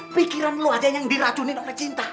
pikiran lo aja yang diracunin oleh cinta